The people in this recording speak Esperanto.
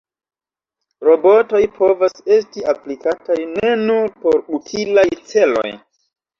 Robotoj povas esti aplikataj ne nur por utilaj celoj.